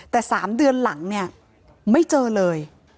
แต่๓เดือนหลังเนี่ยไม่เจอเลย